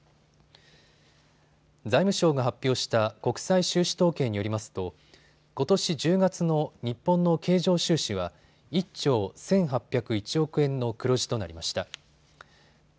財務省が発表した国際収支統計によりますとことし１０月の日本の経常収支は１兆１８０１億円の黒字となりました。